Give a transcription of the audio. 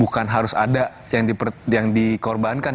bukan harus ada yang dikorbankan